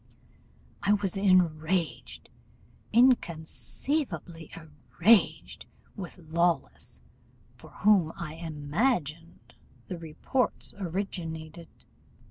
I was enraged, inconceivably enraged with Lawless, from whom I imagined the reports originated.